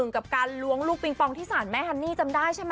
กับการล้วงลูกปิงปองที่ศาลแม่ฮันนี่จำได้ใช่ไหม